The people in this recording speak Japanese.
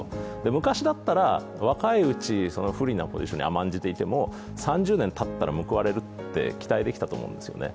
昔だったら若いうち、不利なポジションに甘んじていても３０年たったら報われると期待できたと思うんですよね。